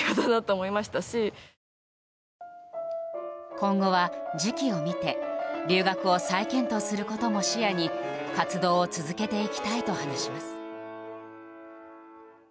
今後は時機を見て留学を再検討することも視野に活動を続けていきたいと話します。